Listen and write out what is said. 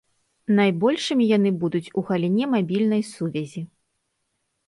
Найбольшымі яны будуць у галіне мабільнай сувязі.